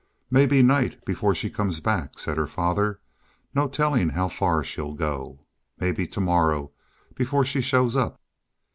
"May be night before she comes back," said her father. "No telling how far she'll go. May be tomorrow before she shows up."